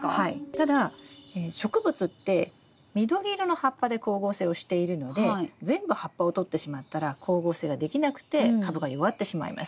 ただ植物って緑色の葉っぱで光合成をしているので全部葉っぱをとってしまったら光合成ができなくて株が弱ってしまいます。